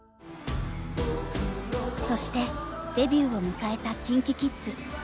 そしてデビューを迎えたＫｉｎＫｉＫｉｄｓ。